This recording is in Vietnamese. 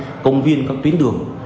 ở các cái công viên các tuyến đường